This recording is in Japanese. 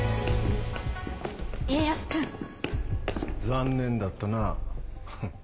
残念だったなフッ。